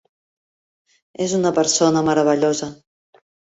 És una persona meravellosa.